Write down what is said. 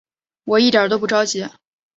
我一点都不着急